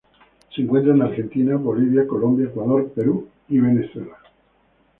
Se encuentra en Argentina, Bolivia, Colombia, Ecuador, Perú, y Venezuela.